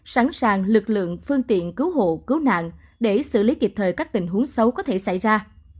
sẵn sàng lực lượng phương tiện cứu hộ cứu nạn để xử lý kịp thời các tình huống xấu có thể xảy ra